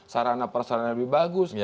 sarana persarana lebih bagus